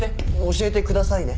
「教えてください」ね。